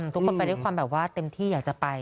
ทุกคนไปด้วยความแบบว่าเต็มที่อยากจะไป